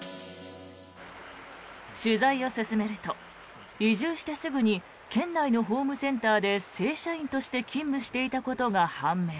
取材を進めると、移住してすぐに県内のホームセンターで正社員として勤務していたことが判明。